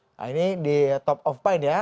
nah ini di top of mind ya